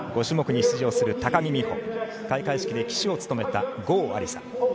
５種目に出場する高木美帆開会式で旗手を務めた、郷亜里砂。